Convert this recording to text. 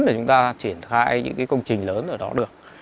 để chúng ta triển khai những cái công trình lớn ở đó được